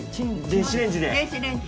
電子レンジ。